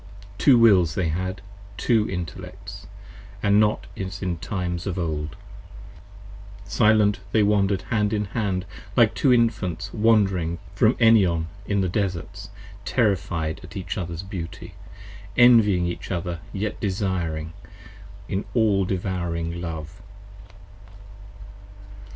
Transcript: Two Wills they had: Two Intellects: & not as in times of old. Silent they wander'd hand in hand like two Infants wand'ring From Enion in the desarts, terrified at each others beauty, 64 Envying each other yet desiring, in all devouring Love.